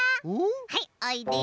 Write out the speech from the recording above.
はいおいで。